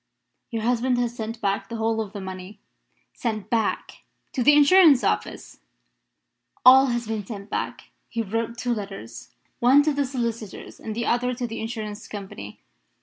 "Your husband has sent back the whole of the money." "Sent back? To the Insurance Office?" "All has been sent back. He wrote two letters one to the solicitors and the other to the Insurance Company.